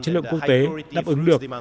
chất lượng quốc tế đáp ứng được